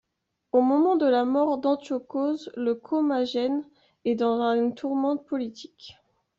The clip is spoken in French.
Au moment de la mort d'Antiochos, la Commagène est dans une tourmente politique.